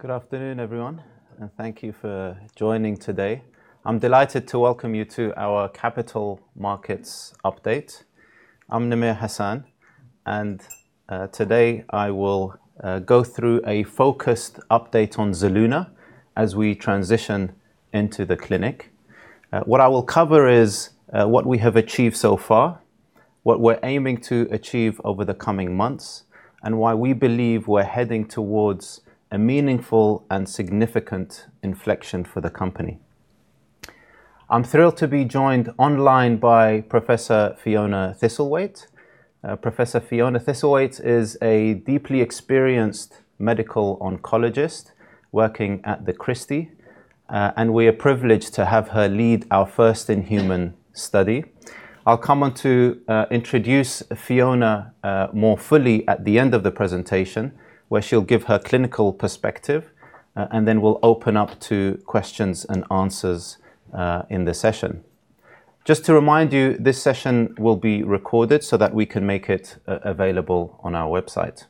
Good afternoon, everyone. Thank you for joining today. I'm delighted to welcome you to our Capital Markets Update. I'm Namir Hassan. Today I will go through a focused update on Zelluna as we transition into the clinic. What I will cover is what we have achieved so far, what we're aiming to achieve over the coming months, and why we believe we're heading towards a meaningful and significant inflection for the company. I'm thrilled to be joined online by Professor Fiona Thistlethwaite. Professor Fiona Thistlethwaite is a deeply experienced Medical Oncologist working at The Christie. We are privileged to have her lead our first-in-human study. I'll come on to introduce Fiona more fully at the end of the presentation, where she'll give her clinical perspective. We'll open up to questions and answers in the session. Just to remind you, this session will be recorded so that we can make it available on our website.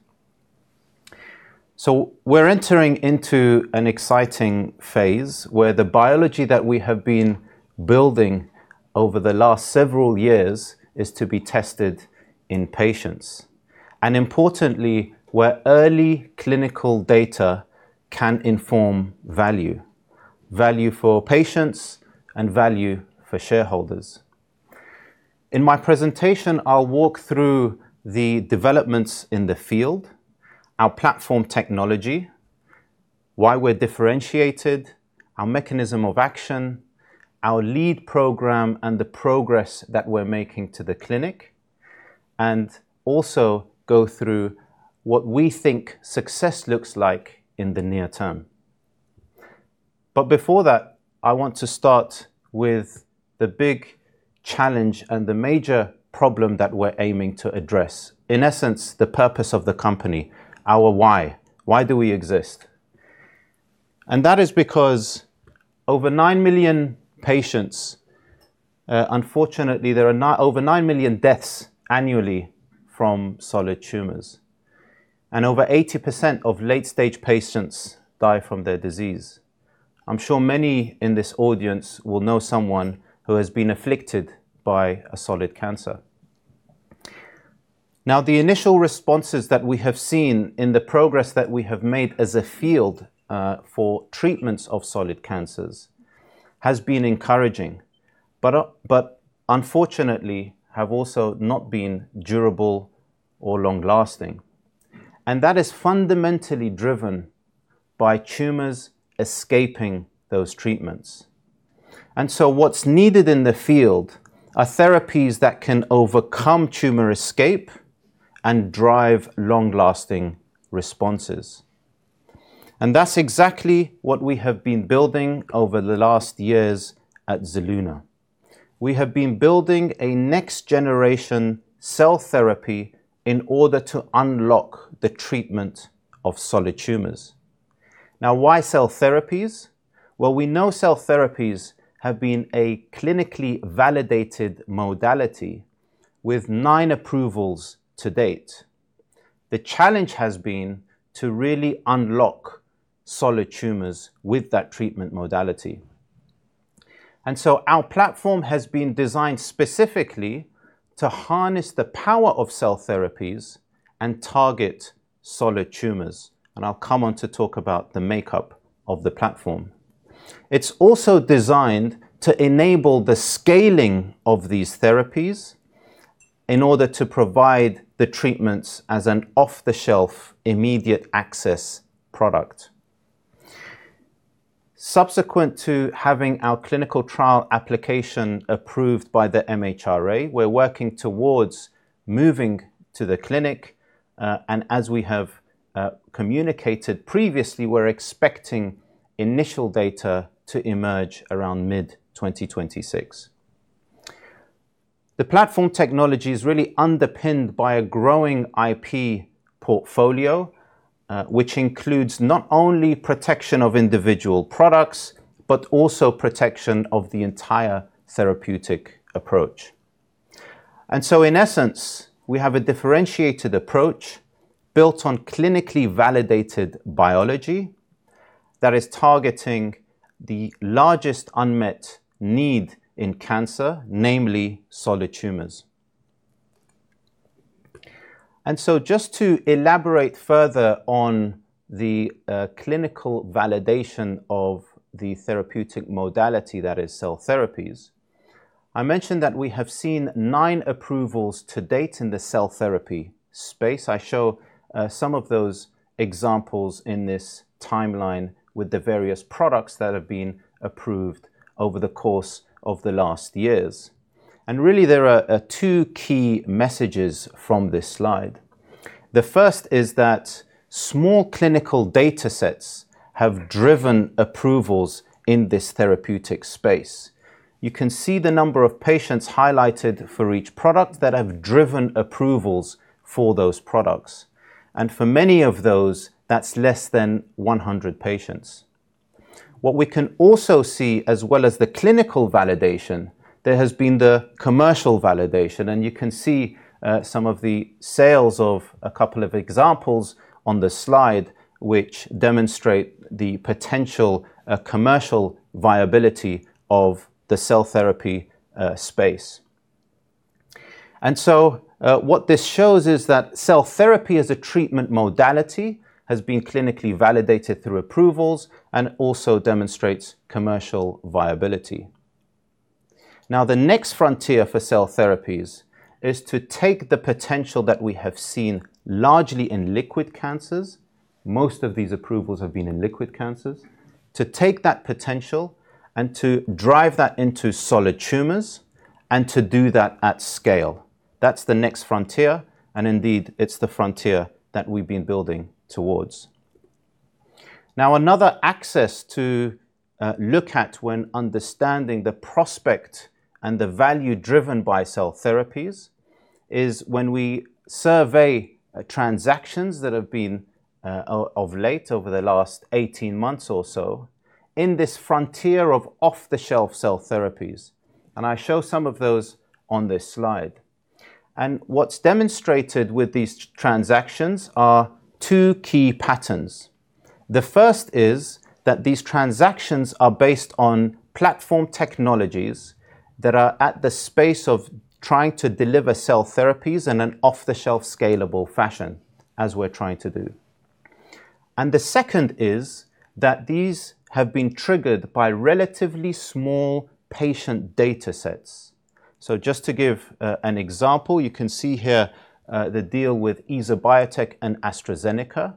We're entering into an exciting phase where the biology that we have been building over the last several years is to be tested in patients, and importantly, where early clinical data can inform value for patients and value for shareholders. In my presentation, I'll walk through the developments in the field, our platform technology, why we're differentiated, our mechanism of action, our lead program, and the progress that we're making to the clinic, and also go through what we think success looks like in the near term. Before that, I want to start with the big challenge and the major problem that we're aiming to address, in essence, the purpose of the company, our why. Why do we exist? That is because, unfortunately, there are over nine million deaths annually from solid tumors, and over 80% of late-stage patients die from their disease. I'm sure many in this audience will know someone who has been afflicted by a solid cancer. Now, the initial responses that we have seen in the progress that we have made as a field for treatments of solid cancers has been encouraging, but unfortunately have also not been durable or long-lasting. That is fundamentally driven by tumors escaping those treatments. What's needed in the field are therapies that can overcome tumor escape and drive long-lasting responses. That's exactly what we have been building over the last years at Zelluna. We have been building a next-generation cell therapy in order to unlock the treatment of solid tumors. Now, why cell therapies? Well, we know cell therapies have been a clinically validated modality with nine approvals to date. The challenge has been to really unlock solid tumors with that treatment modality. Our platform has been designed specifically to harness the power of cell therapies and target solid tumors. I'll come on to talk about the makeup of the platform. It's also designed to enable the scaling of these therapies in order to provide the treatments as an off-the-shelf, immediate access product. Subsequent to having our clinical trial application approved by the MHRA, we're working towards moving to the clinic, and as we have communicated previously, we're expecting initial data to emerge around mid-2026. The platform technology is really underpinned by a growing IP portfolio, which includes not only protection of individual products, but also protection of the entire therapeutic approach. In essence, we have a differentiated approach built on clinically validated biology that is targeting the largest unmet need in cancer, namely solid tumors. Just to elaborate further on the clinical validation of the therapeutic modality that is cell therapies, I mentioned that we have seen nine approvals to date in the cell therapy space. I show some of those examples in this timeline with the various products that have been approved over the course of the last years. Really there are two key messages from this slide. The first is that small clinical data sets have driven approvals in this therapeutic space. You can see the number of patients highlighted for each product that have driven approvals for those products. For many of those, that's less than 100 patients. What we can also see, as well as the clinical validation, there has been the commercial validation, and you can see some of the sales of a couple of examples on the slide which demonstrate the potential commercial viability of the cell therapy space. What this shows is that cell therapy as a treatment modality has been clinically validated through approvals and also demonstrates commercial viability. Now, the next frontier for cell therapies is to take the potential that we have seen largely in liquid cancers, most of these approvals have been in liquid cancers, to take that potential and to drive that into solid tumors and to do that at scale. That's the next frontier, and indeed, it's the frontier that we've been building towards. Now, another axis to look at when understanding the prospect and the value driven by cell therapies is when we survey transactions that have been of late, over the last 18 months or so, in this frontier of off-the-shelf cell therapies, and I show some of those on this slide. What's demonstrated with these transactions are two key patterns. The first is that these transactions are based on platform technologies that are at the space of trying to deliver cell therapies in an off-the-shelf scalable fashion, as we're trying to do. The second is that these have been triggered by relatively small patient data sets. Just to give an example, you can see here the deal with EsoBiotec and AstraZeneca.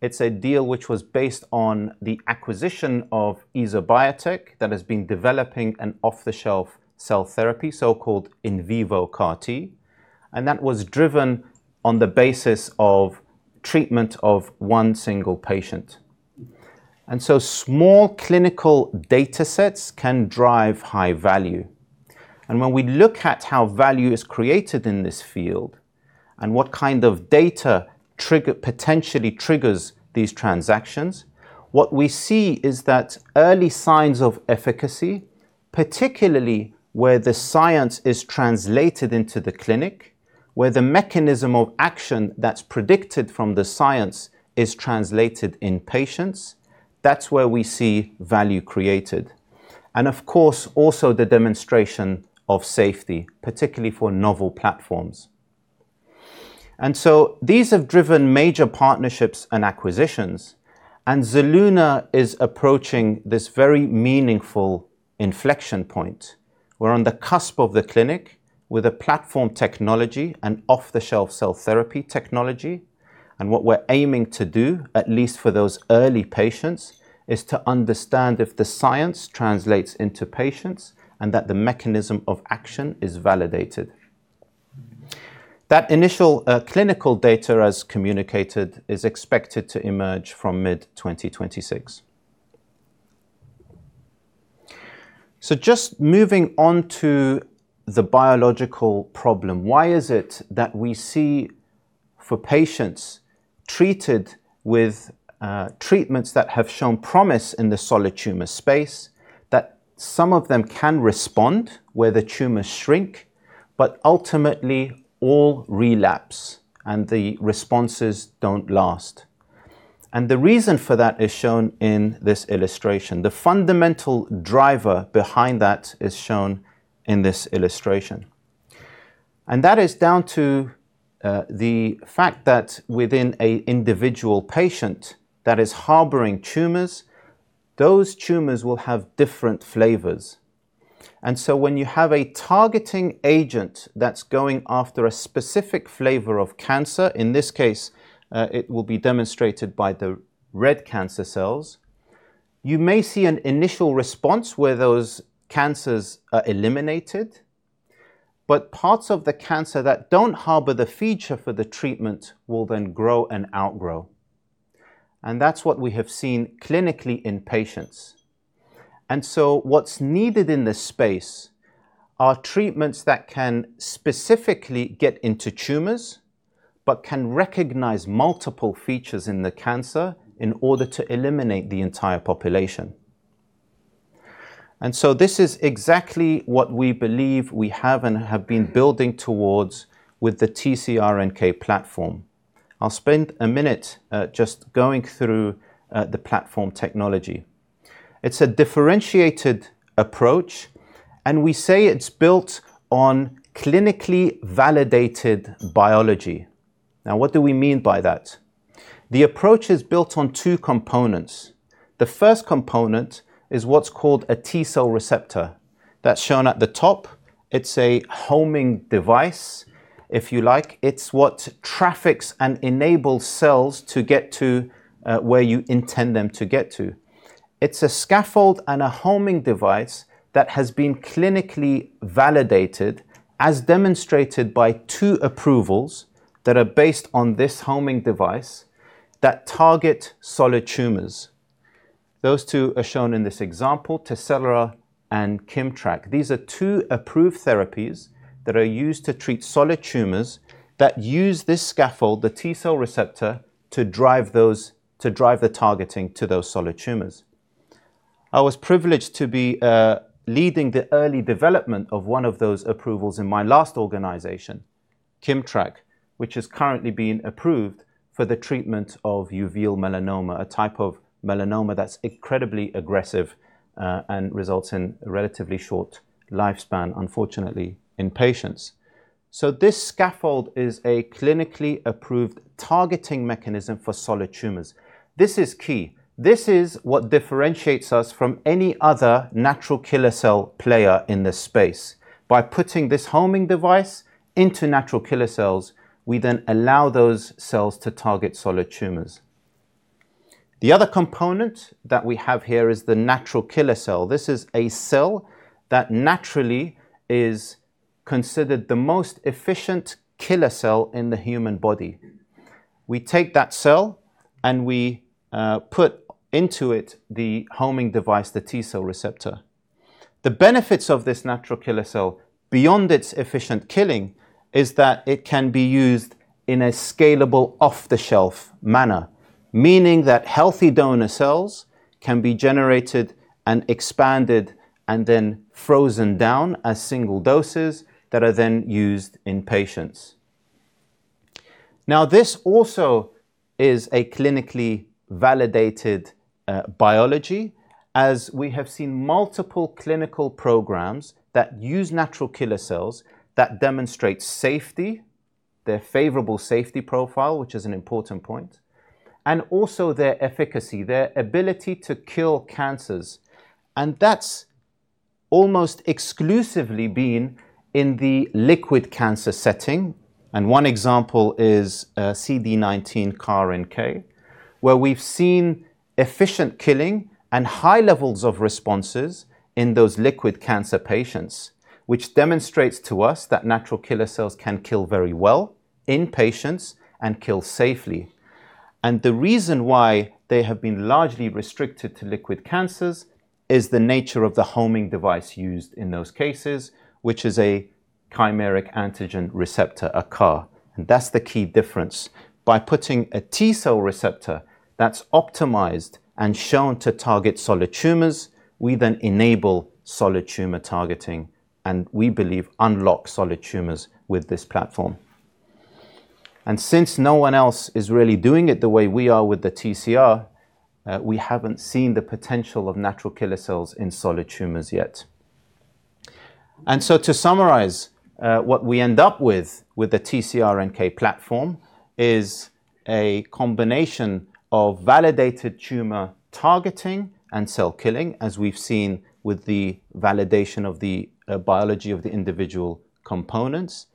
It's a deal which was based on the acquisition of EsoBiotec that has been developing an off-the-shelf cell therapy, so-called in vivo CAR T, and that was driven on the basis of treatment of one single patient. Small clinical data sets can drive high value. When we look at how value is created in this field and what kind of data potentially triggers these transactions, what we see is that early signs of efficacy, particularly where the science is translated into the clinic, where the mechanism of action that's predicted from the science is translated in patients, that's where we see value created. Of course, also the demonstration of safety, particularly for novel platforms. These have driven major partnerships and acquisitions, and Zelluna is approaching this very meaningful inflection point. We're on the cusp of the clinic with a platform technology and off-the-shelf cell therapy technology. What we're aiming to do, at least for those early patients, is to understand if the science translates into patients and that the mechanism of action is validated. That initial clinical data, as communicated, is expected to emerge from mid-2026. Just moving on to the biological problem, why is it that we see for patients treated with treatments that have shown promise in the solid tumor space, that some of them can respond where the tumors shrink, but ultimately all relapse and the responses don't last? The reason for that is shown in this illustration. The fundamental driver behind that is shown in this illustration. That is down to the fact that within an individual patient that is harboring tumors, those tumors will have different flavors. And so when you have a targeting agent that's going after a specific flavor of cancer, in this case, it will be demonstrated by the red cancer cells, you may see an initial response where those cancers are eliminated, but parts of the cancer that don't harbor the feature for the treatment will then grow and outgrow. And that's what we have seen clinically in patients. And so what's needed in this space are treatments that can specifically get into tumors, but can recognize multiple features in the cancer in order to eliminate the entire population. And so this is exactly what we believe we have and have been building towards with the TCRNK platform. I'll spend a minute just going through the platform technology. It's a differentiated approach, and we say it's built on clinically validated biology. Now, what do we mean by that? The approach is built on two components. The first component is what's called a T cell receptor. That's shown at the top. It's a homing device, if you like. It's what traffics and enables cells to get to where you intend them to get to. It's a scaffold and a homing device that has been clinically validated as demonstrated by two approvals that are based on this homing device that target solid tumors. Those two are shown in this example, Tecelra and Kimmtrak. These are two approved therapies that are used to treat solid tumors that use this scaffold, the T cell receptor, to drive the targeting to those solid tumors. I was privileged to be leading the early development of one of those approvals in my last organization, Kimmtrak, which is currently being approved for the treatment of uveal melanoma, a type of melanoma that's incredibly aggressive and results in a relatively short lifespan, unfortunately, in patients. This scaffold is a clinically approved targeting mechanism for solid tumors. This is key. This is what differentiates us from any other natural killer cell player in this space. By putting this homing device into natural killer cells, we then allow those cells to target solid tumors. The other component that we have here is the natural killer cell. This is a cell that naturally is considered the most efficient killer cell in the human body. We take that cell and we put into it the homing device, the T cell receptor. The benefits of this natural killer cell, beyond its efficient killing, is that it can be used in a scalable off-the-shelf manner, meaning that healthy donor cells can be generated and expanded and then frozen down as single doses that are then used in patients. Now, this also is a clinically validated biology, as we have seen multiple clinical programs that use natural killer cells that demonstrate safety, their favorable safety profile, which is an important point, and also their efficacy, their ability to kill cancers. That's almost exclusively been in the liquid cancer setting. One example is CD19 CAR-NK, where we've seen efficient killing and high levels of responses in those liquid cancer patients, which demonstrates to us that natural killer cells can kill very well in patients and kill safely. The reason why they have been largely restricted to liquid cancers is the nature of the homing device used in those cases, which is a chimeric antigen receptor, a CAR, and that's the key difference. By putting a T cell receptor that's optimized and shown to target solid tumors, we then enable solid tumor targeting, and we believe unlock solid tumors with this platform. Since no one else is really doing it the way we are with the TCR, we haven't seen the potential of natural killer cells in solid tumors yet. To summarize, what we end up with the TCR-NK platform is a combination of validated tumor targeting and cell killing, as we've seen with the validation of the biology of the individual components,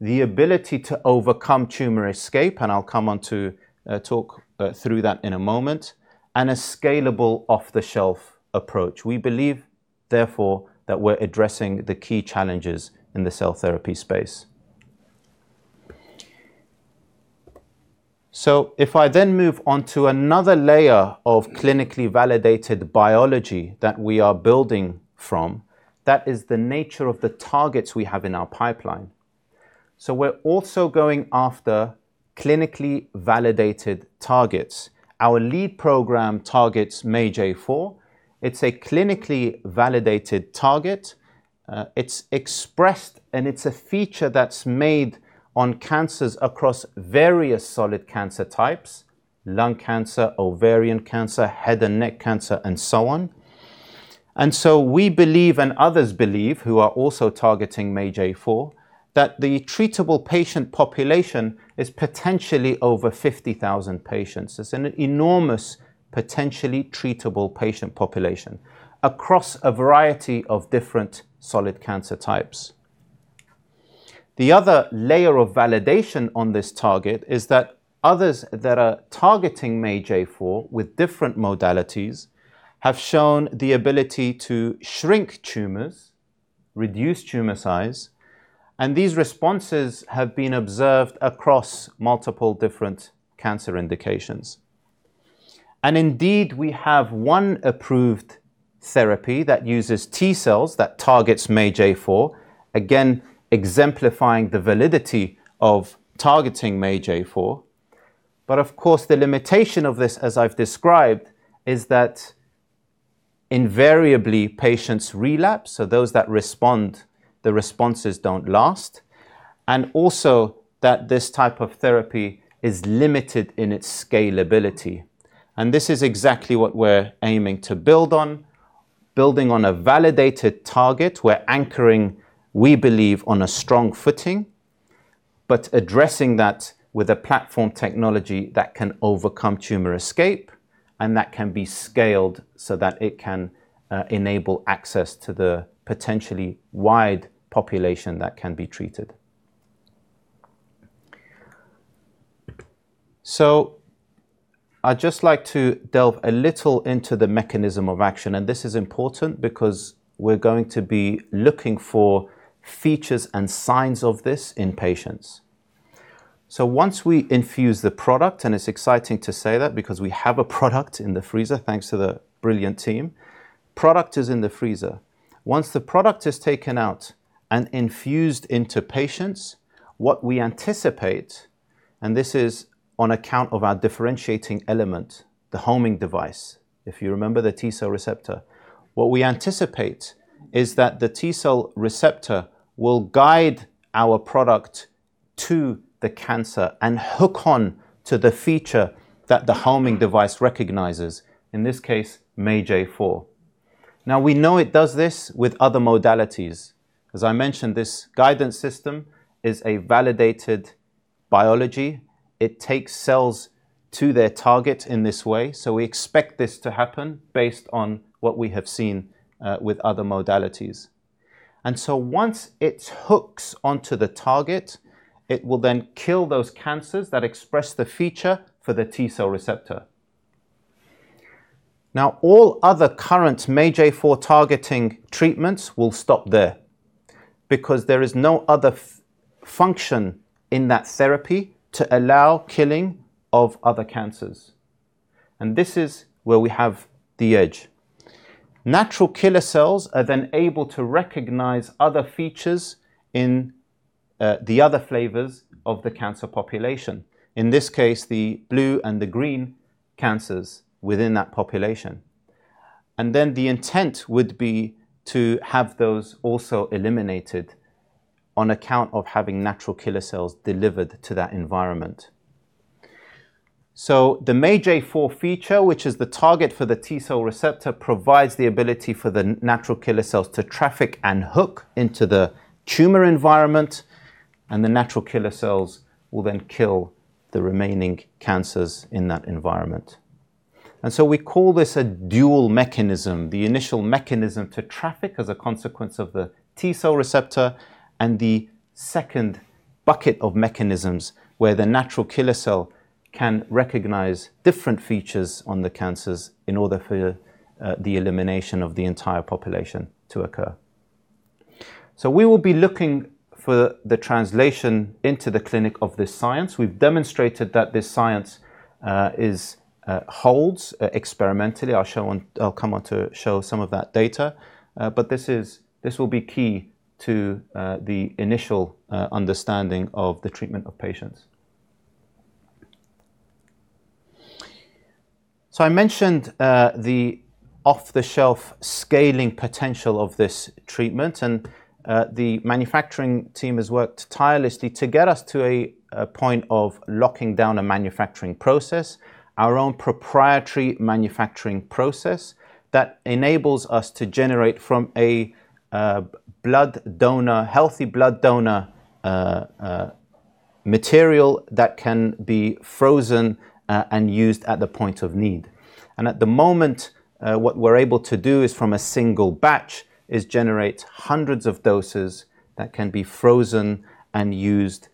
the ability to overcome tumor escape, and I'll come on to talk through that in a moment, and a scalable off-the-shelf approach. We believe, therefore, that we're addressing the key challenges in the cell therapy space. If I then move on to another layer of clinically validated biology that we are building from, that is the nature of the targets we have in our pipeline. We're also going after clinically validated targets. Our lead program targets MAGE-A4. It's a clinically validated target. It's expressed, and it's a feature that's made on cancers across various solid cancer types, lung cancer, ovarian cancer, head and neck cancer, and so on. We believe, and others believe, who are also targeting MAGE-A4, that the treatable patient population is potentially over 50,000 patients. It's an enormous, potentially treatable patient population across a variety of different solid cancer types. The other layer of validation on this target is that others that are targeting MAGE-A4 with different modalities have shown the ability to shrink tumors, reduce tumor size, and these responses have been observed across multiple different cancer indications. Indeed, we have one approved therapy that uses T cells that targets MAGE-A4, again, exemplifying the validity of targeting MAGE-A4. Of course, the limitation of this, as I've described, is that invariably patients relapse, so those that respond, the responses don't last, and also that this type of therapy is limited in its scalability. This is exactly what we're aiming to build on, building on a validated target. We're anchoring, we believe, on a strong footing, but addressing that with a platform technology that can overcome tumor escape and that can be scaled so that it can enable access to the potentially wide population that can be treated. I'd just like to delve a little into the mechanism of action, and this is important because we're going to be looking for features and signs of this in patients. It's exciting to say that because we have a product in the freezer thanks to the brilliant team. Product is in the freezer. Once the product is taken out and infused into patients, what we anticipate, and this is on account of our differentiating element, the homing device, if you remember the T cell receptor. What we anticipate is that the T-cell receptor will guide our product to the cancer and hook on to the feature that the homing device recognizes, in this case, MAGE-A4. Now, we know it does this with other modalities. As I mentioned, this guidance system is a validated biology. It takes cells to their target in this way. We expect this to happen based on what we have seen with other modalities. Once it hooks onto the target, it will then kill those cancers that express the feature for the T-cell receptor. Now, all other current MAGE-A4-targeting treatments will stop there because there is no other function in that therapy to allow killing of other cancers. This is where we have the edge. Natural killer cells are then able to recognize other features in the other flavors of the cancer population, in this case, the blue and the green cancers within that population. The intent would be to have those also eliminated on account of having natural killer cells delivered to that environment. The MAGE-A4 feature, which is the target for the T cell receptor, provides the ability for the natural killer cells to traffic and hook into the tumor environment, and the natural killer cells will then kill the remaining cancers in that environment. We call this a dual mechanism, the initial mechanism to traffic as a consequence of the T cell receptor, and the second bucket of mechanisms where the natural killer cell can recognize different features on the cancers in order for the elimination of the entire population to occur. We will be looking for the translation into the clinic of this science. We've demonstrated that this science holds experimentally. I'll come on to show some of that data. This will be key to the initial understanding of the treatment of patients. I mentioned the off-the-shelf scaling potential of this treatment, and the manufacturing team has worked tirelessly to get us to a point of locking down a manufacturing process, our own proprietary manufacturing process that enables us to generate from a healthy blood donor, material that can be frozen and used at the point of need. At the moment, what we're able to do is from a single batch is generate hundreds of doses that can be frozen and used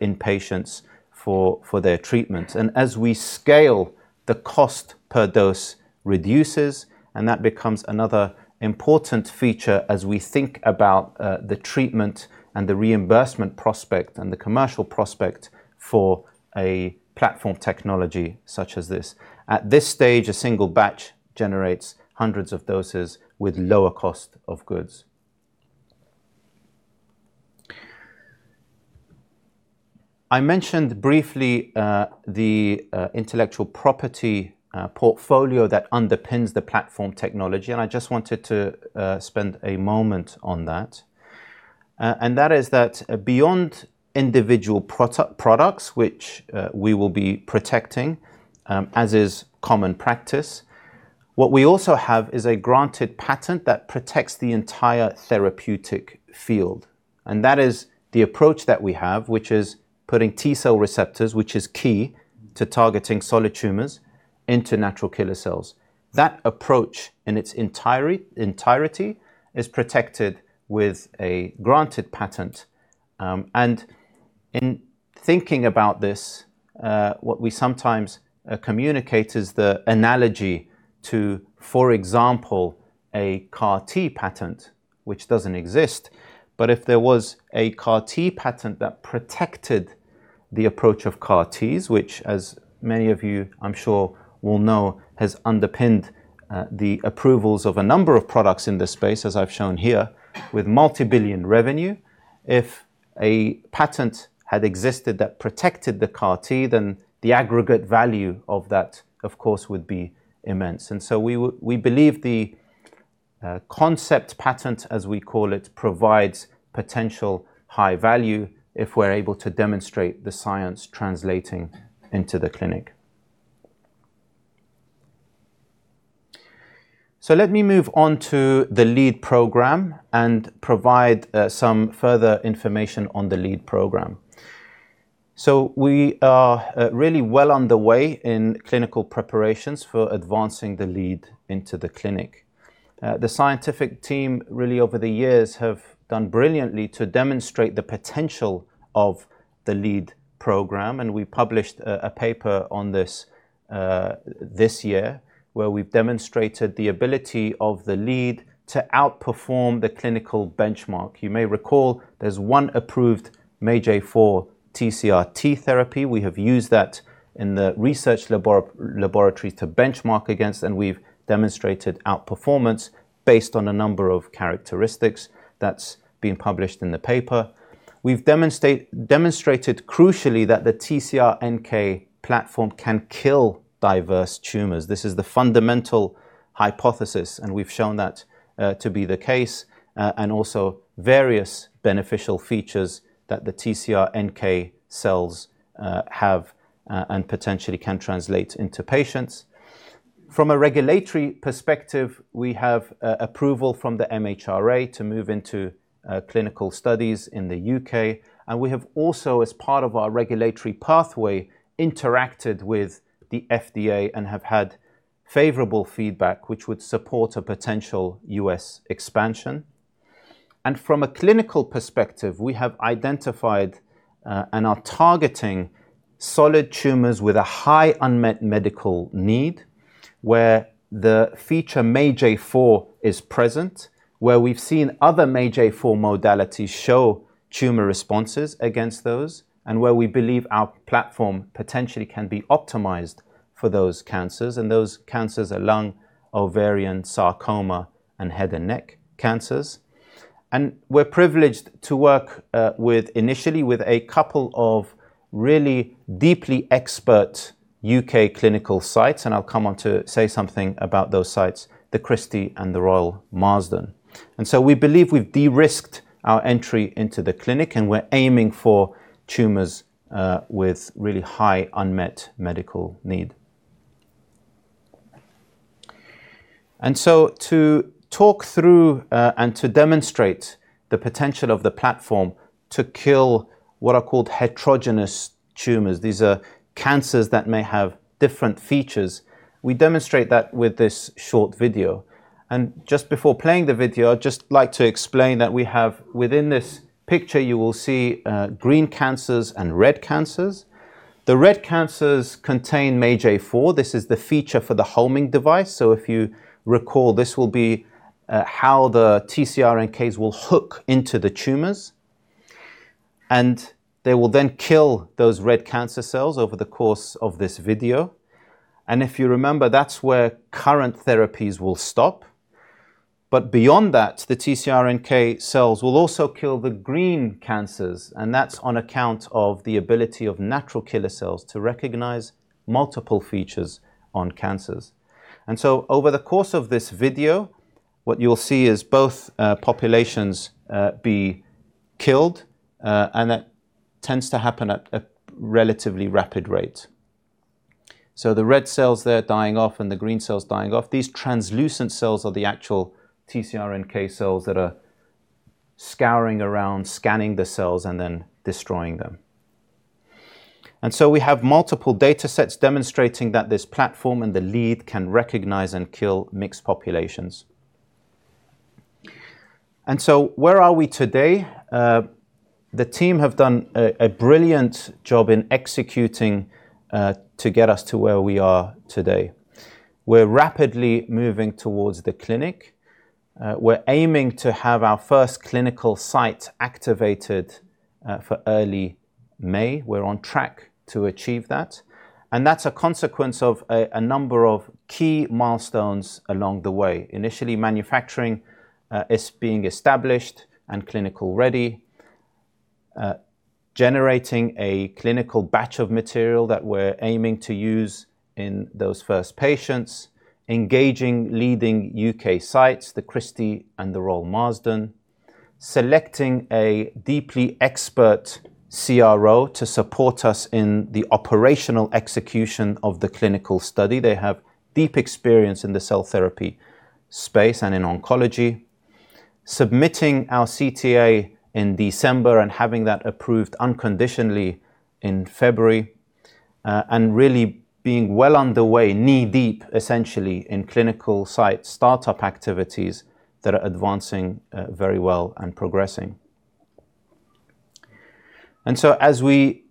in patients for their treatment. As we scale, the cost per dose reduces, and that becomes another important feature as we think about the treatment and the reimbursement prospect and the commercial prospect for a platform technology such as this. At this stage, a single batch generates hundreds of doses with lower cost of goods. I mentioned briefly the intellectual property portfolio that underpins the platform technology, and I just wanted to spend a moment on that. That is that beyond individual products, which we will be protecting, as is common practice, what we also have is a granted patent that protects the entire therapeutic field, and that is the approach that we have, which is putting T cell receptors, which is key to targeting solid tumors, into natural killer cells. That approach in its entirety is protected with a granted patent. In thinking about this, what we sometimes communicate is the analogy to, for example, a CAR T patent, which doesn't exist. If there was a CAR T patent that protected the approach of CAR Ts, which as many of you I'm sure will know, has underpinned the approvals of a number of products in this space, as I've shown here, with multi-billion revenue, if a patent had existed that protected the CAR T, then the aggregate value of that, of course, would be immense. We believe the concept patent, as we call it, provides potential high value if we're able to demonstrate the science translating into the clinic. Let me move on to the lead program and provide some further information on the lead program. We are really well on the way in clinical preparations for advancing the lead into the clinic. The scientific team really over the years have done brilliantly to demonstrate the potential of the lead program, and we published a paper on this this year, where we've demonstrated the ability of the lead to outperform the clinical benchmark. You may recall there's one approved MAGE-A4 TCR T therapy. We have used that in the research laboratory to benchmark against, and we've demonstrated outperformance based on a number of characteristics that's been published in the paper. We've demonstrated crucially that the TCR-NK platform can kill diverse tumors. This is the fundamental hypothesis, and we've shown that to be the case, and also various beneficial features that the TCR-NK cells have and potentially can translate into patients. From a regulatory perspective, we have approval from the MHRA to move into clinical studies in the U.K., and we have also, as part of our regulatory pathway, interacted with the FDA and have had favorable feedback, which would support a potential U.S. expansion. From a clinical perspective, we have identified and are targeting solid tumors with a high unmet medical need, where the feature MAGE-A4 is present, where we've seen other MAGE-A4 modalities show tumor responses against those, and where we believe our platform potentially can be optimized for those cancers. Those cancers are lung, ovarian, sarcoma, and head and neck cancers. We're privileged to work initially with a couple of really deeply expert U.K. clinical sites, and I'll come on to say something about those sites, The Christie and The Royal Marsden. We believe we've de-risked our entry into the clinic, and we're aiming for tumors with really high unmet medical need. To talk through and to demonstrate the potential of the platform to kill what are called heterogeneous tumors, these are cancers that may have different features, we demonstrate that with this short video. Just before playing the video, I'd just like to explain that within this picture, you will see green cancers and red cancers. The red cancers contain MAGE-A4. This is the feature for the homing device. If you recall, this will be how the TCR-NK will hook into the tumors, and they will then kill those red cancer cells over the course of this video. If you remember, that's where current therapies will stop. Beyond that, the TCR-NK cells will also kill the green cancers, and that's on account of the ability of natural killer cells to recognize multiple features on cancers. Over the course of this video, what you'll see is both populations be killed, and that tends to happen at a relatively rapid rate, the red cells there dying off and the green cells dying off. These translucent cells are the actual TCR-NK cells that are scouring around, scanning the cells, and then destroying them. We have multiple data sets demonstrating that this platform and the lead can recognize and kill mixed populations. Where are we today? The team have done a brilliant job in executing to get us to where we are today. We're rapidly moving towards the clinic. We're aiming to have our first clinical site activated for early May. We're on track to achieve that, and that's a consequence of a number of key milestones along the way. Initially, manufacturing is being established and clinical-ready, generating a clinical batch of material that we're aiming to use in those first patients, engaging leading U.K. sites, The Christie and The Royal Marsden, selecting a deeply expert CRO to support us in the operational execution of the clinical study. They have deep experience in the cell therapy space and in oncology, submitting our CTA in December and having that approved unconditionally in February, and really being well underway, knee-deep, essentially, in clinical site startup activities that are advancing very well and progressing. As we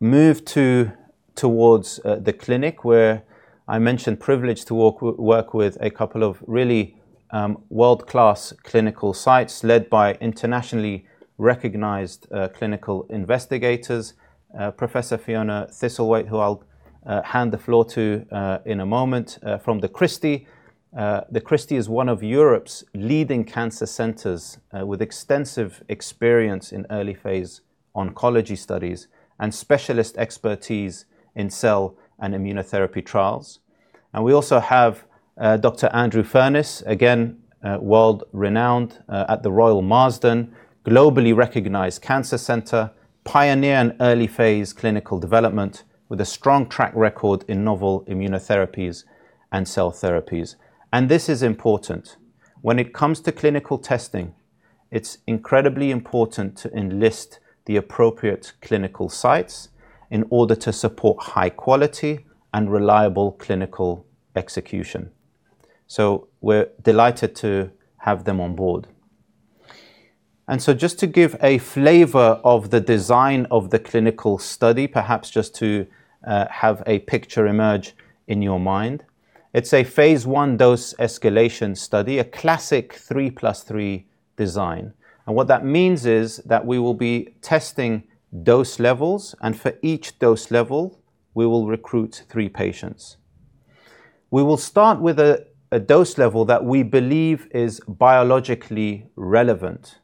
move towards the clinic, where I mentioned privileged to work with a couple of really world-class clinical sites led by internationally recognized clinical investigators, Professor Fiona Thistlethwaite, who I'll hand the floor to in a moment, from The Christie. The Christie is one of Europe's leading cancer centers with extensive experience in early-phase oncology studies and specialist expertise in cell and immunotherapy trials. We also have Dr. Andrew Furness, again, world-renowned at The Royal Marsden, globally recognized cancer center, pioneer in early-phase clinical development with a strong track record in novel immunotherapies and cell therapies. This is important. When it comes to clinical testing, it's incredibly important to enlist the appropriate clinical sites in order to support high-quality and reliable clinical execution. We're delighted to have them on board. Just to give a flavor of the design of the clinical study, perhaps just to have a picture emerge in your mind, it's a phase I dose escalation study, a classic 3+3 design. What that means is that we will be testing dose levels, and for each dose level, we will recruit three patients. We will start with a dose level that we believe is biologically relevant.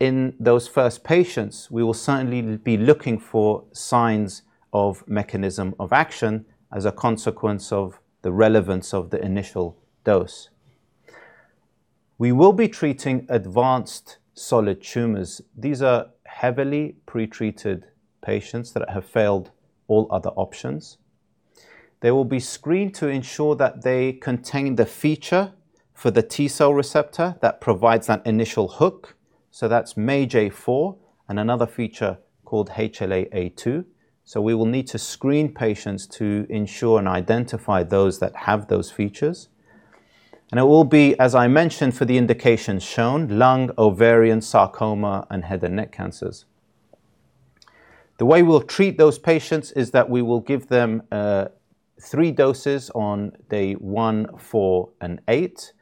In those first patients, we will certainly be looking for signs of mechanism of action as a consequence of the relevance of the initial dose. We will be treating advanced solid tumors. These are heavily pre-treated patients that have failed all other options. They will be screened to ensure that they contain the feature for the T cell receptor that provides that initial hook. That's MAGE-A4 and another feature called HLA-A2. We will need to screen patients to ensure and identify those that have those features. It will be, as I mentioned, for the indications shown, lung, ovarian, sarcoma, and head and neck cancers. The way we'll treat those patients is that we will give them three doses on day one, four, and eight,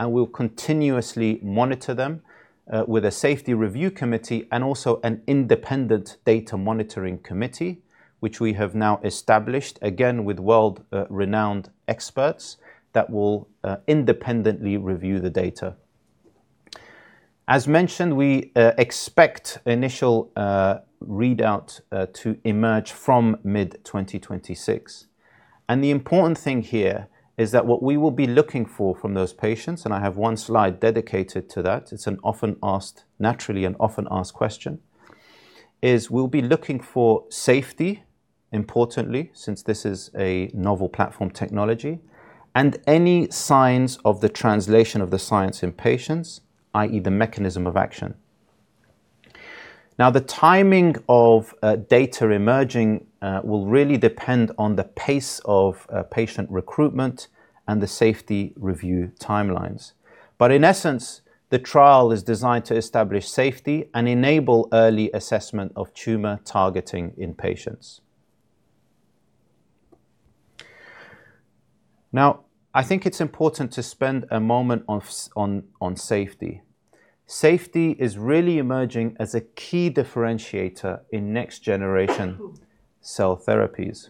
and we'll continuously monitor them with a safety review committee and also an independent data monitoring committee, which we have now established, again, with world-renowned experts that will independently review the data. As mentioned, we expect initial readout to emerge from mid-2026. The important thing here is that what we will be looking for from those patients, and I have one slide dedicated to that, it's naturally an often-asked question, is we'll be looking for safety, importantly, since this is a novel platform technology, and any signs of the translation of the science in patients, i.e. the mechanism of action. Now, the timing of data emerging will really depend on the pace of patient recruitment and the safety review timelines. In essence, the trial is designed to establish safety and enable early assessment of tumor targeting in patients. Now, I think it's important to spend a moment on safety. Safety is really emerging as a key differentiator in next-generation cell therapies.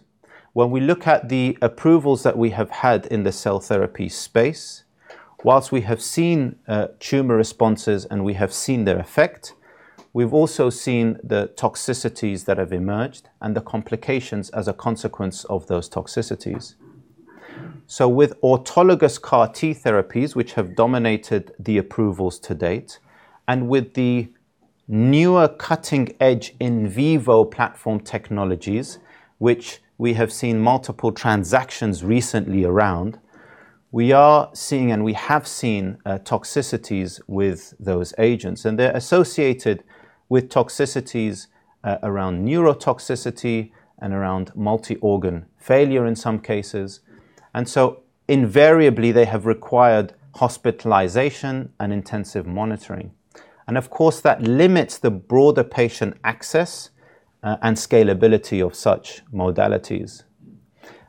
When we look at the approvals that we have had in the cell therapy space, whilst we have seen tumor responses and we have seen their effect, we've also seen the toxicities that have emerged and the complications as a consequence of those toxicities. With autologous CAR T therapies, which have dominated the approvals to date, and with the newer cutting-edge in vivo platform technologies, which we have seen multiple transactions recently around, we are seeing and we have seen toxicities with those agents, and they're associated with toxicities around neurotoxicity and around multi-organ failure in some cases. Invariably, they have required hospitalization and intensive monitoring. Of course, that limits the broader patient access and scalability of such modalities.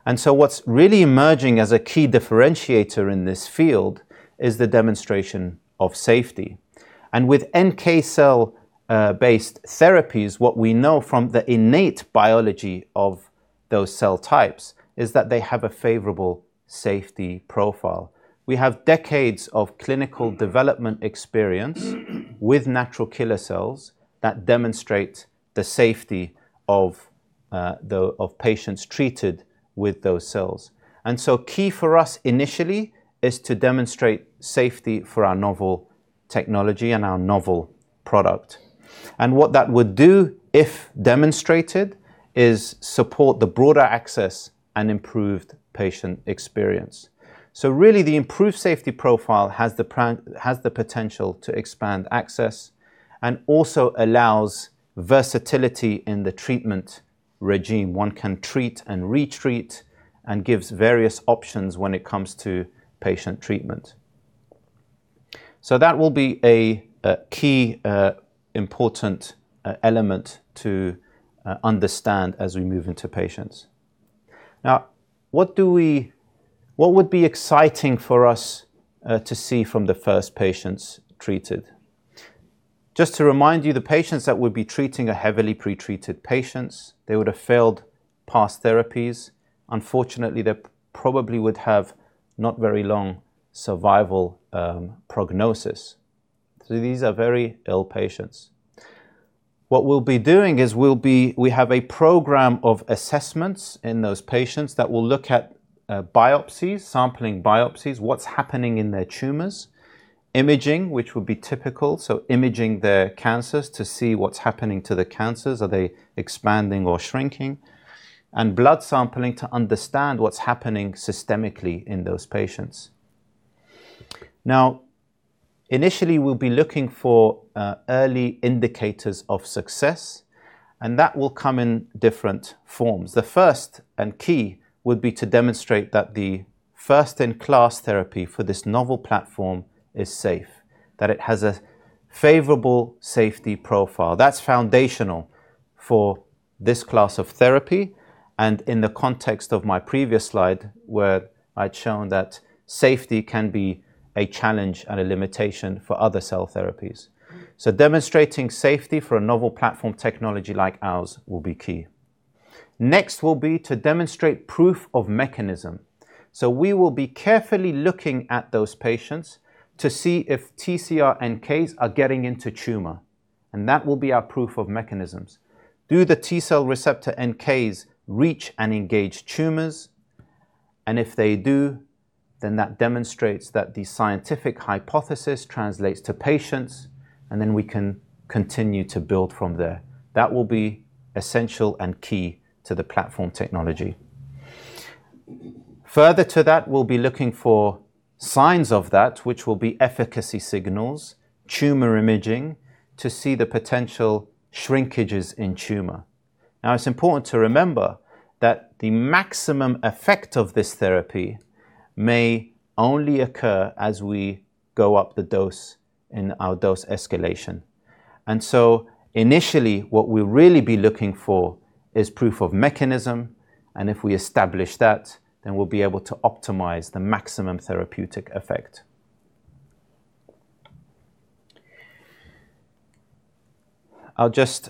What's really emerging as a key differentiator in this field is the demonstration of safety. With NK cell-based therapies, what we know from the innate biology of those cell types is that they have a favorable safety profile. We have decades of clinical development experience with natural killer cells that demonstrate the safety of patients treated with those cells. Key for us initially is to demonstrate safety for our novel technology and our novel product. What that would do, if demonstrated, is support the broader access and improved patient experience. Really, the improved safety profile has the potential to expand access and also allows versatility in the treatment regime. One can treat and retreat and gives various options when it comes to patient treatment. That will be a key important element to understand as we move into patients. Now, what would be exciting for us to see from the first patients treated? Just to remind you, the patients that we'll be treating are heavily pretreated patients. They would have failed past therapies. Unfortunately, they probably would have not very long survival prognosis. These are very ill patients. What we'll be doing is we have a program of assessments in those patients that will look at biopsies, sampling biopsies, what's happening in their tumors, imaging, which will be typical, so imaging their cancers to see what's happening to the cancers, are they expanding or shrinking, and blood sampling to understand what's happening systemically in those patients. Now, initially, we'll be looking for early indicators of success. That will come in different forms. The first and key would be to demonstrate that the first-in-class therapy for this novel platform is safe, that it has a favorable safety profile. That's foundational for this class of therapy, and in the context of my previous slide, where I'd shown that safety can be a challenge and a limitation for other cell therapies. Demonstrating safety for a novel platform technology like ours will be key. Next will be to demonstrate proof of mechanism. We will be carefully looking at those patients to see if TCR-NKs are getting into tumor, and that will be our proof of mechanisms. Do the T cell receptor NKs reach and engage tumors? If they do, then that demonstrates that the scientific hypothesis translates to patients, and then we can continue to build from there. That will be essential and key to the platform technology. Further to that, we'll be looking for signs of that, which will be efficacy signals, tumor imaging, to see the potential shrinkages in tumor. Now, it's important to remember that the maximum effect of this therapy may only occur as we go up the dose in our dose escalation. Initially, what we'll really be looking for is proof of mechanism, and if we establish that, then we'll be able to optimize the maximum therapeutic effect. I'll just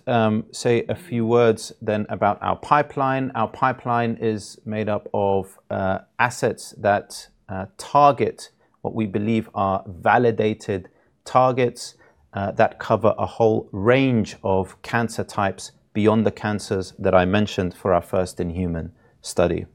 say a few words then about our pipeline. Our pipeline is made up of assets that target what we believe are validated targets that cover a whole range of cancer types beyond the cancers that I mentioned for our first-in-human study.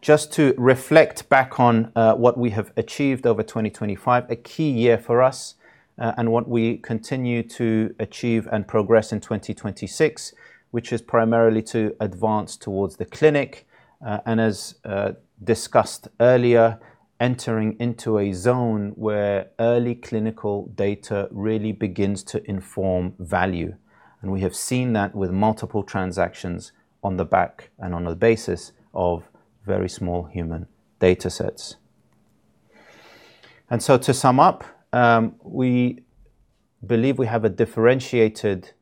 Just to reflect back on what we have achieved over 2025, a key year for us, and what we continue to achieve and progress in 2026, which is primarily to advance towards the clinic, as discussed earlier, entering into a zone where early clinical data really begins to inform value. We have seen that with multiple transactions on the back and on the basis of very small human data sets. To sum up, we believe we have a differentiated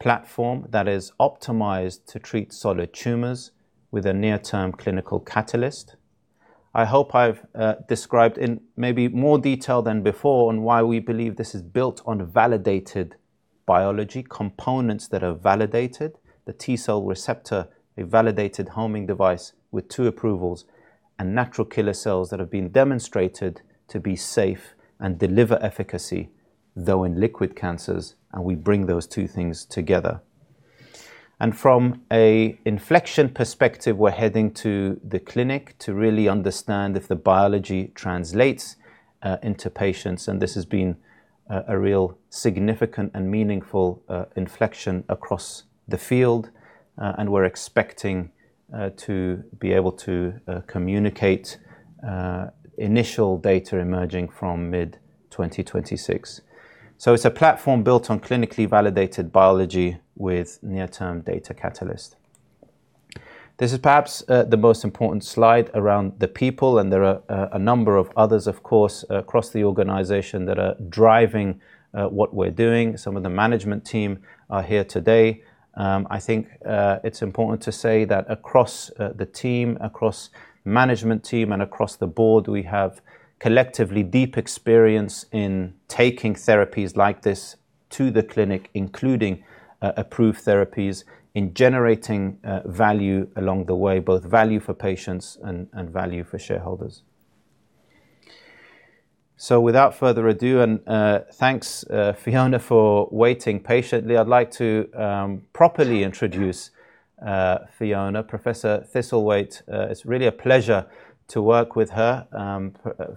platform that is optimized to treat solid tumors with a near-term clinical catalyst. I hope I've described in maybe more detail than before on why we believe this is built on validated biology components that are validated, the T cell receptor, a validated homing device with two approvals, and natural killer cells that have been demonstrated to be safe and deliver efficacy, though in liquid cancers, and we bring those two things together. From a inflection perspective, we're heading to the clinic to really understand if the biology translates into patients, and this has been a real significant and meaningful inflection across the field. We're expecting to be able to communicate initial data emerging from mid-2026. It's a platform built on clinically validated biology with near-term data catalyst. This is perhaps the most important slide around the people, and there are a number of others, of course, across the organization that are driving what we're doing. Some of the Management Team are here today. I think it's important to say that across the team, across Management Team, and across the Board, we have collectively deep experience in taking therapies like this to the clinic, including approved therapies, in generating value along the way, both value for patients and value for shareholders. Without further ado, and thanks, Fiona, for waiting patiently. I'd like to properly introduce Fiona, Professor Thistlethwaite. It's really a pleasure to work with her.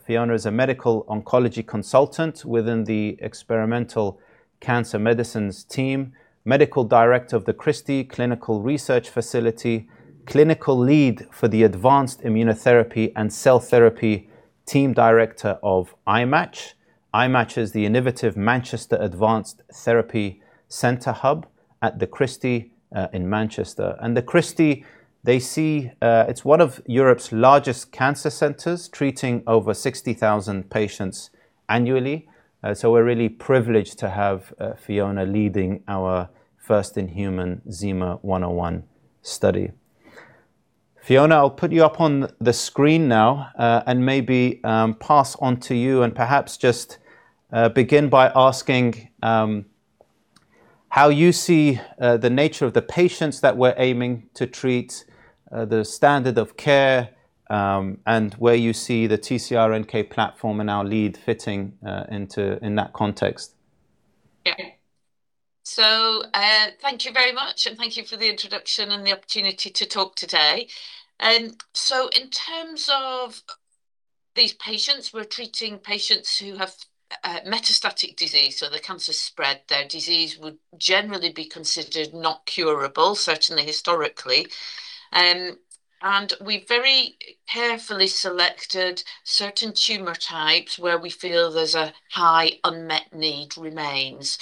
Fiona is a Medical Oncology Consultant within the Experimental Cancer Medicines Team, Medical Director of The Christie Clinical Research Facility, Clinical Lead for the Advanced Immunotherapy and Cell Therapy, Team Director of iMATCH. iMATCH is the Innovate Manchester Advanced Therapy Centre Hub at The Christie in Manchester. The Christie, it's one of Europe's largest cancer centers, treating over 60,000 patients annually. We're really privileged to have Fiona leading our first-in-human ZI-MA4-1 study. Fiona, I'll put you up on the screen now, and maybe pass on to you and perhaps just begin by asking how you see the nature of the patients that we're aiming to treat, the standard of care, and where you see the TCR-NK platform and our lead fitting in that context. Okay. Thank you very much, and thank you for the introduction and the opportunity to talk today. In terms of these patients, we're treating patients who have metastatic disease, so the cancer has spread. Their disease would generally be considered not curable, certainly historically. We very carefully selected certain tumor types where we feel there's a high unmet need remains.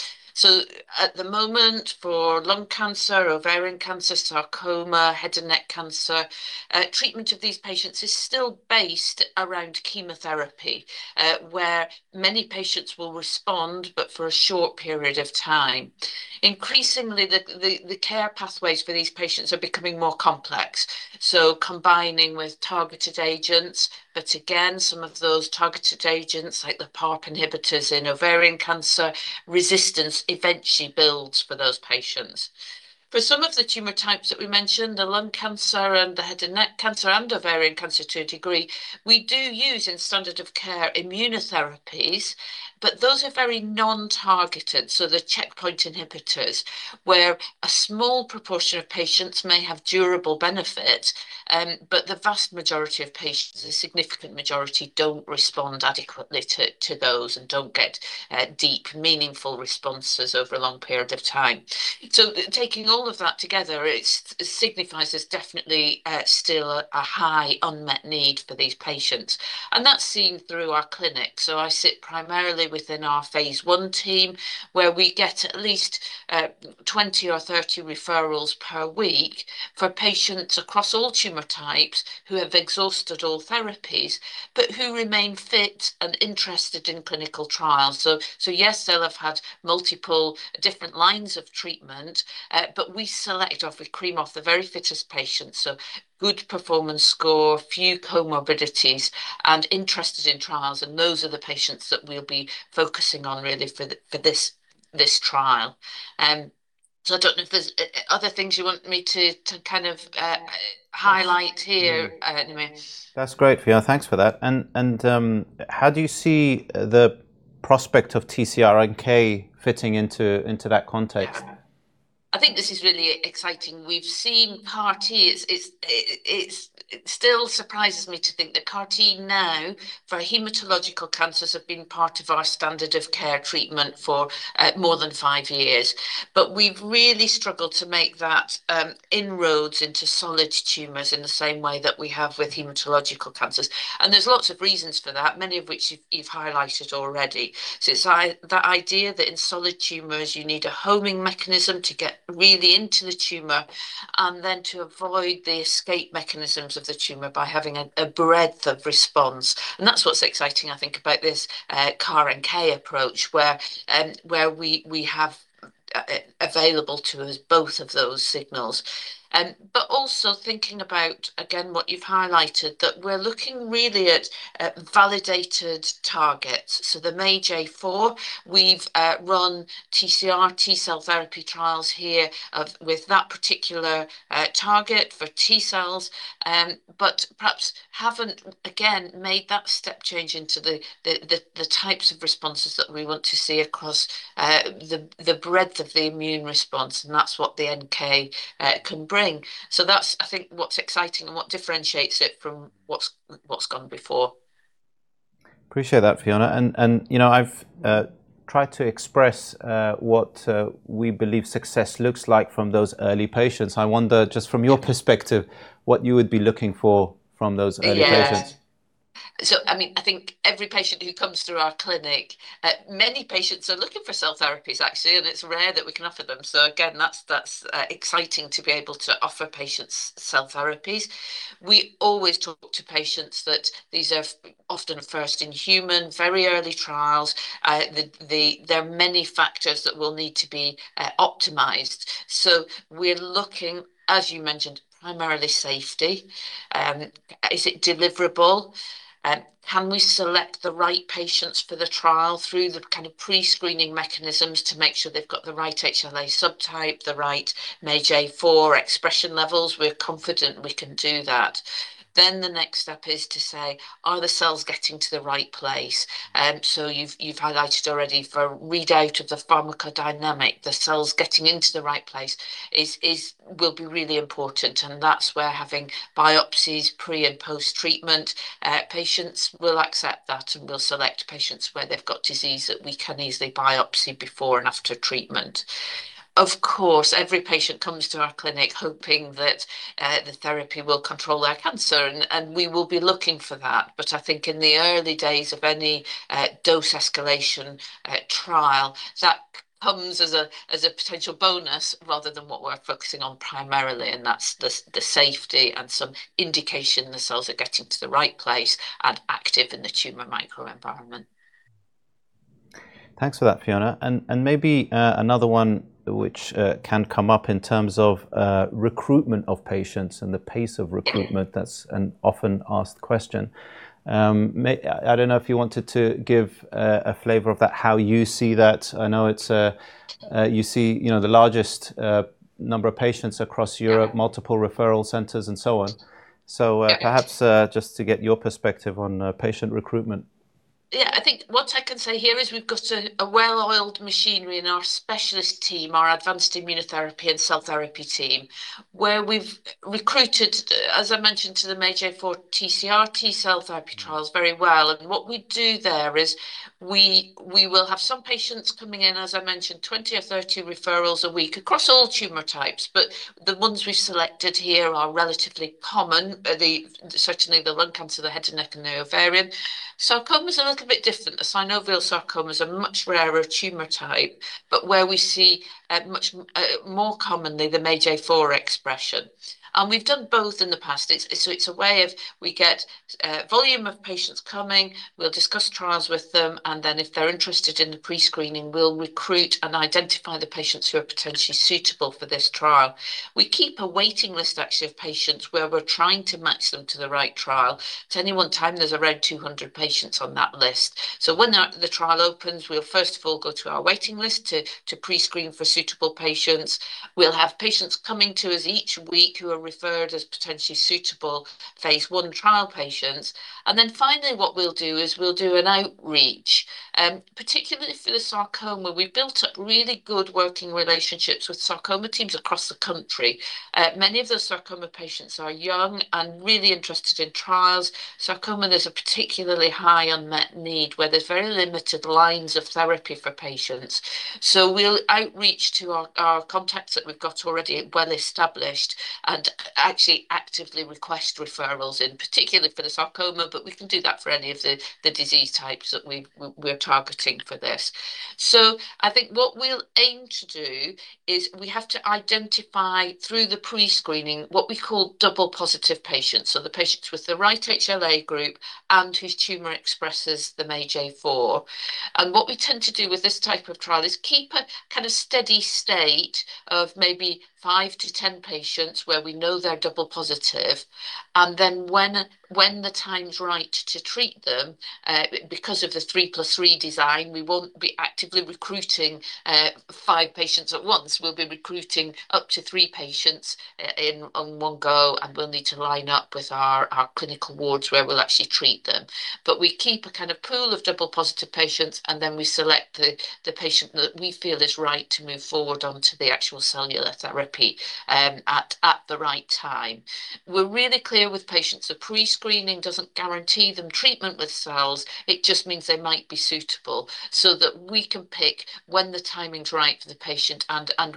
At the moment for lung cancer, ovarian cancer, sarcoma, head and neck cancer, treatment of these patients is still based around chemotherapy, where many patients will respond but for a short period of time. Increasingly, the care pathways for these patients are becoming more complex, so combining with targeted agents. Again, some of those targeted agents, like the PARP inhibitors in ovarian cancer, resistance eventually builds for those patients. For some of the tumor types that we mentioned, the lung cancer and the head and neck cancer and ovarian cancer to a degree, we do use in standard of care immunotherapies, but those are very non-targeted, so the checkpoint inhibitors, where a small proportion of patients may have durable benefit, but the vast majority of patients, a significant majority, don't respond adequately to those and don't get deep, meaningful responses over a long period of time. Taking all of that together, it signifies there's definitely still a high unmet need for these patients, and that's seen through our clinic. I sit primarily within our phase I team, where we get at least 20 or 30 referrals per week from patients across all tumor types who have exhausted all therapies but who remain fit and interested in clinical trials. Yes, they'll have had multiple different lines of treatment. We cream off the very fittest patients, good performance score, few comorbidities, and interested in trials, and those are the patients that we'll be focusing on really for this trial. I don't know if there's other things you want me to kind of highlight here. Anyway. That's great, Fiona. Thanks for that. How do you see the prospect of TCR-NK fitting into that context? I think this is really exciting. We've seen CAR T. It still surprises me to think that CAR T now for hematological cancers have been part of our standard of care treatment for more than five years. We've really struggled to make that inroads into solid tumors in the same way that we have with hematological cancers. There's lots of reasons for that, many of which you've highlighted already. It's that idea that in solid tumors, you need a homing mechanism to get really into the tumor and then to avoid the escape mechanisms of the tumor by having a breadth of response. That's what's exciting, I think, about this CAR-NK approach, where we have available to us both of those signals. Also thinking about, again, what you've highlighted, that we're looking really at validated targets. The MAGE-A4, we've run TCR T-cell therapy trials here with that particular target for T cells, but perhaps haven't, again, made that step change into the types of responses that we want to see across the breadth of the immune response. That's what the NK can bring. That's, I think, what's exciting and what differentiates it from what's gone before. Appreciate that, Fiona. I've tried to express what we believe success looks like from those early patients. I wonder, just from your perspective, what you would be looking for from those early patients. Yeah. I think every patient who comes through our clinic, many patients are looking for cell therapies, actually, and it's rare that we can offer them. Again, that's exciting to be able to offer patients cell therapies. We always talk to patients that these are often first-in-human, very early trials. There are many factors that will need to be optimized. We're looking, as you mentioned, primarily safety. Is it deliverable? Can we select the right patients for the trial through the kind of pre-screening mechanisms to make sure they've got the right HLA subtype, the right MAGE-A4 expression levels? We're confident we can do that. The next step is to say, are the cells getting to the right place? You've highlighted already for readout of the pharmacodynamic, the cells getting into the right place will be really important, and that's where having biopsies pre- and post-treatment, patients will accept that, and we'll select patients where they've got disease that we can easily biopsy before and after treatment. Of course, every patient comes to our clinic hoping that the therapy will control their cancer, and we will be looking for that. I think in the early days of any dose escalation trial, that comes as a potential bonus rather than what we're focusing on primarily, and that's the safety and some indication the cells are getting to the right place and active in the tumor microenvironment. Thanks for that, Fiona. Maybe another one which can come up in terms of recruitment of patients and the pace of recruitment, that's an often asked question. I don't know if you wanted to give a flavor of that, how you see that. I know you see the largest number of patients across Europe, multiple referral centers, and so on. Perhaps just to get your perspective on patient recruitment. Yeah, I think what I can say here is we've got a well-oiled machinery in our specialist team, our advanced immunotherapy and cell therapy team, where we've recruited, as I mentioned, to the MAGE-A4 TCR T-cell therapy trials very well. What we do there is we will have some patients coming in, as I mentioned, 20 or 30 referrals a week across all tumor types, but the ones we've selected here are relatively common, certainly the lung cancer, the head and neck, and the ovarian. Sarcoma is a little bit different. The synovial sarcoma is a much rarer tumor type, but where we see much more commonly the MAGE-A4 expression. We've done both in the past. It's a way of we get volume of patients coming. We'll discuss trials with them, and then if they're interested in the pre-screening, we'll recruit and identify the patients who are potentially suitable for this trial. We keep a waiting list actually of patients where we're trying to match them to the right trial. At any one time, there's around 200 patients on that list. When the trial opens, we'll first of all go to our waiting list to pre-screen for suitable patients. We'll have patients coming to us each week who are referred as potentially suitable phase I trial patients. Finally what we'll do is we'll do an outreach, particularly for the sarcoma. We've built up really good working relationships with sarcoma teams across the country. Many of the sarcoma patients are young and really interested in trials. In sarcoma, there's a particularly high unmet need where there's very limited lines of therapy for patients. We'll outreach to our contacts that we've got already well-established and actually actively request referrals in, particularly for the sarcoma, but we can do that for any of the disease types that we're targeting for this. I think what we'll aim to do is we have to identify through the pre-screening what we call double positive patients, the patients with the right HLA group and whose tumor expresses the MAGE-A4. What we tend to do with this type of trial is keep a kind of steady state of maybe five to 10 patients where we know they're double positive. When the time's right to treat them, because of the 3+3 design, we won't be actively recruiting five patients at once. We'll be recruiting up to three patients in on one go, and we'll need to line up with our clinical wards where we'll actually treat them. We keep a kind of pool of double positive patients, and then we select the patient that we feel is right to move forward on to the actual cellular therapy, at the right time. We're really clear with patients the pre-screening doesn't guarantee them treatment with cells. It just means they might be suitable so that we can pick when the timing's right for the patient and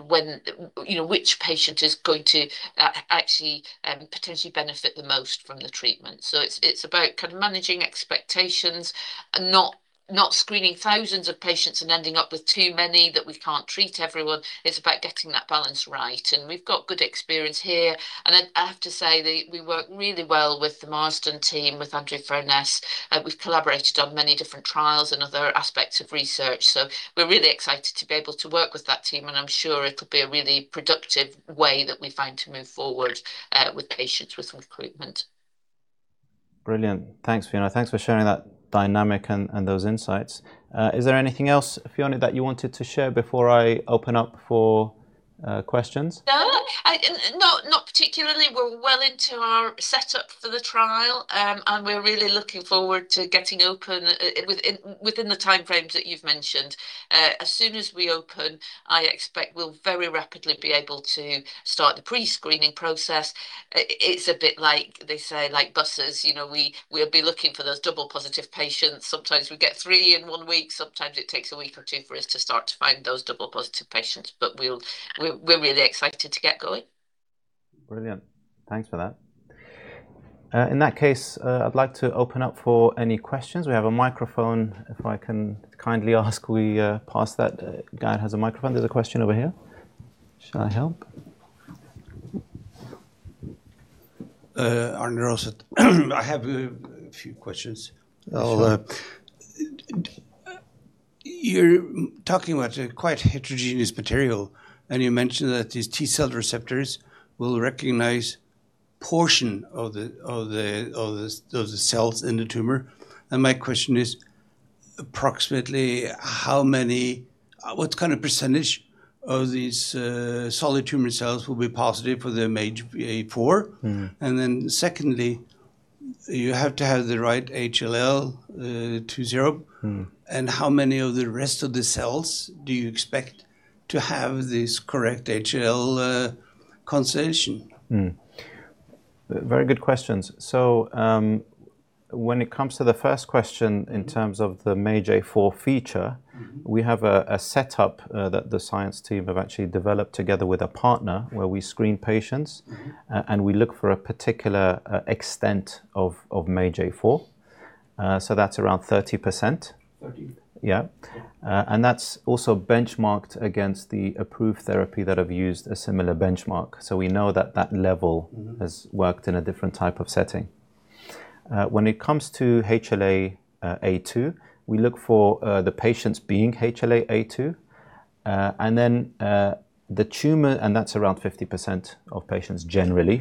which patient is going to actually potentially benefit the most from the treatment. It's about kind of managing expectations and not screening thousands of patients and ending up with too many that we can't treat everyone. It's about getting that balance right, and we've got good experience here. I have to say that we work really well with the Marsden team, with Andrew Furness. We've collaborated on many different trials and other aspects of research. We're really excited to be able to work with that team, and I'm sure it'll be a really productive way that we find to move forward with patients with recruitment. Brilliant. Thanks, Fiona. Thanks for sharing that dynamic and those insights. Is there anything else, Fiona, that you wanted to share before I open up for questions? No. Not particularly. We're well into our setup for the trial, and we're really looking forward to getting open within the time frames that you've mentioned. As soon as we open, I expect we'll very rapidly be able to start the pre-screening process. It's a bit like they say, like buses, we'll be looking for those double positive patients. Sometimes we get three in one week. Sometimes it takes a week or two for us to start to find those double positive patients, but we're really excited to get going. Brilliant. Thanks for that. In that case, I'd like to open up for any questions. We have a microphone. If I can kindly ask we pass that. Geir Christian Melen has a microphone. There's a question over here. Shall I help? Arne Roset. I have a few questions. Sure. You're talking about a quite heterogeneous material, and you mentioned that these T-Cell Receptors will recognize portion of the cells in the tumor. My question is, approximately what kind of % of these solid tumor cells will be positive for the MAGE-A4? Mm-hmm. Secondly, you have to have the right HLA-A2. Mm-hmm. How many of the rest of the cells do you expect to have this correct HLA concentration? Mm-hmm. Very good questions. When it comes to the first question in terms of the MAGE-A4 feature. Mm-hmm We have a setup that the science team have actually developed together with a partner where we screen patients. Mm-hmm We look for a particular extent of MAGE-A4. That's around 30%. 30? Yeah. Yeah. That's also benchmarked against the approved therapy that have used a similar benchmark. Mm-hmm... has worked in a different type of setting. When it comes to HLA-A2, we look for the patients being HLA-A2, and that's around 50% of patients generally.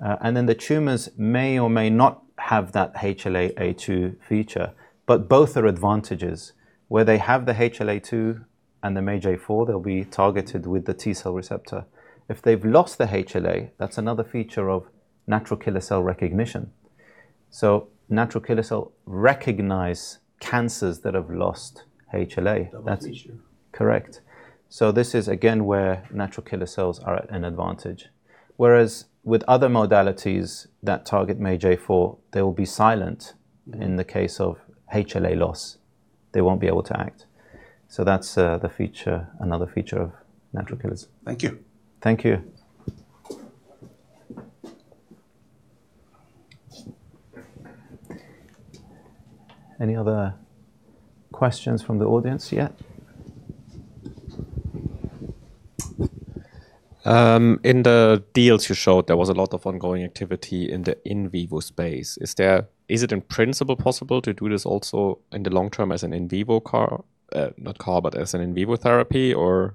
And then the tumors may or may not have that HLA-A2 feature, but both are advantages. Where they have the HLA2 and the major four, they'll be targeted with the T cell receptor. If they've lost the HLA, that's another feature of Natural killer cell recognition. So natural killer cell recognize cancers that have lost HLA. Double feature. Correct. This is again where natural killer cells are at an advantage. Whereas with other modalities that target MAGE-A4, they will be silent in the case of HLA loss, they won't be able to act. That's another feature of natural killers. Thank you. Thank you. Any other questions from the audience yet? In the deals you showed, there was a lot of ongoing activity in the in vivo space. Is it, in principle, possible to do this also in the long term as an in vivo therapy, or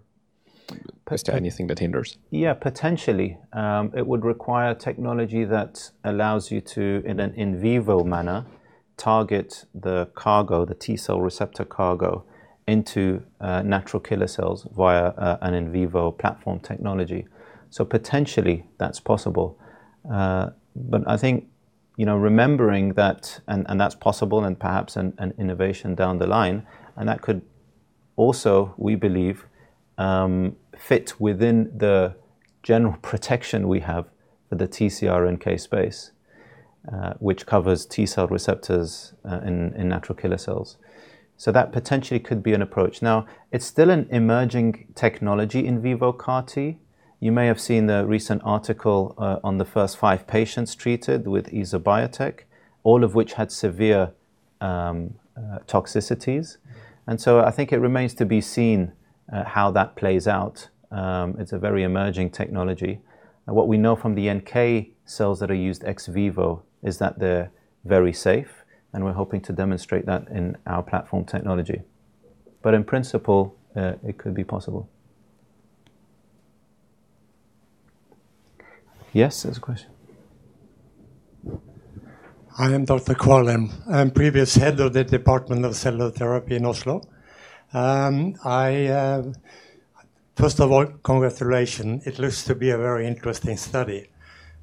is there anything that hinders? Yeah, potentially. It would require technology that allows you to, in an in vivo manner, target the cargo, the T cell receptor cargo, into natural killer cells via an in vivo platform technology. Potentially that's possible. I think remembering that, and that's possible and perhaps an innovation down the line, and that could also, we believe, fit within the general protection we have for the TCR-NK space, which covers T cell receptors in natural killer cells. That potentially could be an approach. Now, it's still an emerging technology in vivo CAR T. You may have seen the recent article on the first five patients treated with EsoBiotec, all of which had severe toxicities, and so I think it remains to be seen how that plays out. It's a very emerging technology. What we know from the NK cells that are used ex vivo is that they're very safe, and we're hoping to demonstrate that in our platform technology. In principle, it could be possible. Yes, there's a question. I am Gunnar Kvalheim. I'm previous Head of the Department of Cellular Therapy in Oslo. First of all, congratulation. It looks to be a very interesting study.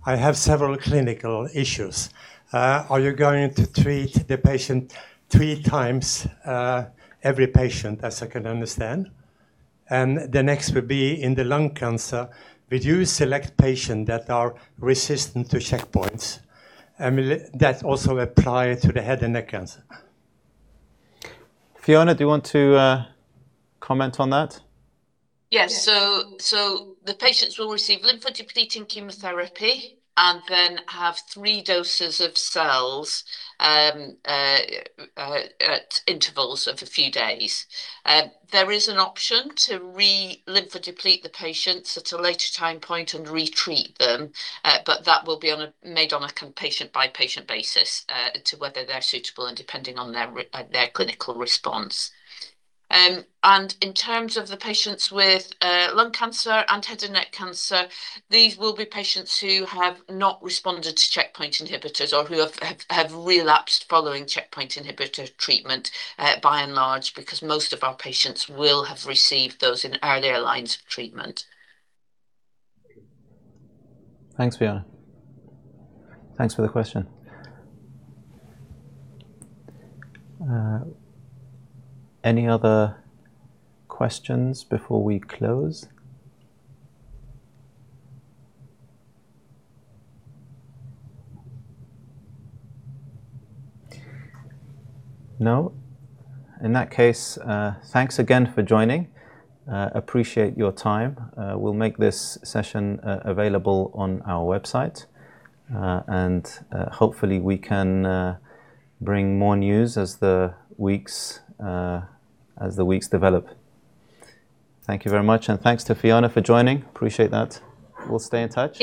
I have several clinical issues. Are you going to treat the patient three times, every patient, as I can understand? The next would be in the lung cancer, would you select patient that are resistant to checkpoints? Will that also apply to the head and neck cancer? Fiona, do you want to comment on that? Yes. The patients will receive lymphodepleting chemotherapy and then have three doses of cells at intervals of a few days. There is an option to re-lymphodeplete the patients at a later time point and retreat them, but that will be made on a patient-by-patient basis to whether they're suitable and depending on their clinical response. In terms of the patients with lung cancer and head and neck cancer, these will be patients who have not responded to checkpoint inhibitors or who have relapsed following checkpoint inhibitor treatment, by and large, because most of our patients will have received those in earlier lines of treatment. Thanks, Fiona. Thanks for the question. Any other questions before we close? No? In that case, thanks again for joining. I appreciate your time. We'll make this session available on our website, and hopefully, we can bring more news as the weeks develop. Thank you very much, and thanks to Fiona for joining. I appreciate that. We'll stay in touch.